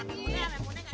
rame muneh gak demen ya